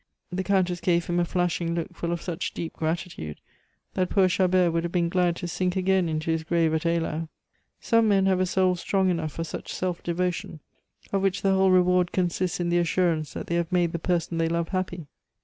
The Countess gave him a flashing look full of such deep gratitude that poor Chabert would have been glad to sink again into his grave at Eylau. Some men have a soul strong enough for such self devotion, of which the whole reward consists in the assurance that they have made the person they love happy.